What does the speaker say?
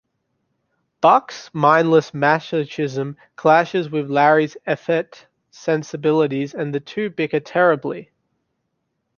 Buck's mindless machismo clashes with Larry's effete sensibilities, and the two bicker terribly.